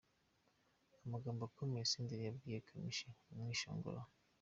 Amagambo akomeye Senderi yabwiye Kamichi amwishongoraho.